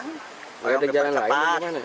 nggak ada jalan lain